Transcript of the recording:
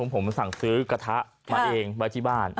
ผมสั่งซื้อกระทะมาเองไว้ที่บ้าน